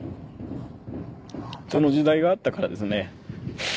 その時代があったからですね